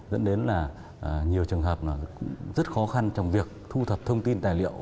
dẫn đến là nhiều trường hợp rất khó khăn trong việc thu thập thông tin tài liệu